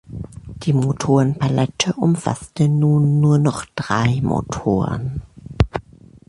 Die Motorenpalette umfasste nun nur noch drei Motoren.